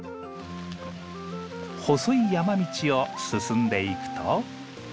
細い山道を進んでいくと。